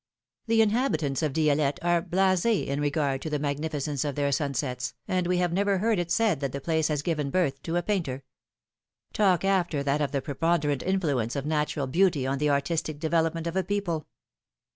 The inhabitants of Dielette are blase in regard to the magnificence of their sunsets, and we have never heard it said that the place has given birth to a painter. Talk after that of the preponderant influence of natural beauty on the artistic development of a people